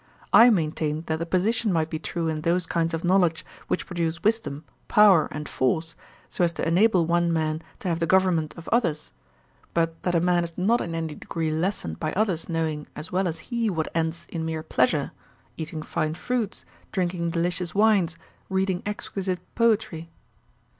I maintained that the position might be true in those kinds of knowledge which produce wisdom, power, and force, so as to enable one man to have the government of others; but that a man is not in any degree lessened by others knowing as well as he what ends in mere pleasure: eating fine fruits, drinking delicious wines, reading exquisite poetry.